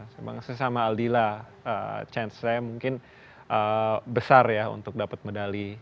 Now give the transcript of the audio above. saya bilang sama aldila chance saya mungkin besar ya untuk dapat medali